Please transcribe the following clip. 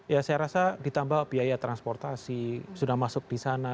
ya saya rasa ditambah biaya transportasi sudah masuk di sana